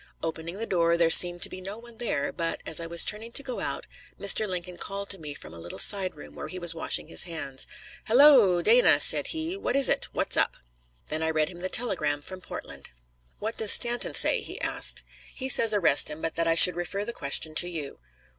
Opening the door, there seemed to be no one there, but, as I was turning to go out, Mr. Lincoln called to me from a little side room, where he was washing his hands: "Halloo, Dana!" said he. "What is it? What's up?" Then I read him the telegram from Portland. "What does Stanton say?" he asked. "He says arrest him, but that I should refer the question to you."